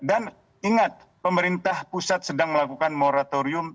dan ingat pemerintah pusat sedang melakukan moratorium